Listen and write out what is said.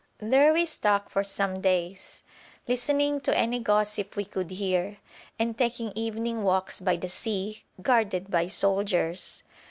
There we stuck for some days, listening to any gossip we could hear, and taking evening walks by the sea, guarded by soldiers.